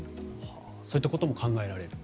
そういったことも考えられると。